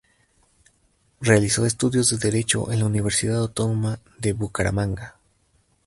Realizó estudios de Derecho en la Universidad Autónoma de Bucaramanga.